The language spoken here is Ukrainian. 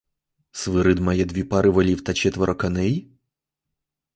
Свирид має дві пари волів та четверо коней?